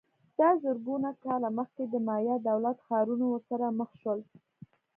دا زرګونه کاله مخکې د مایا دولت ښارونه ورسره مخ شول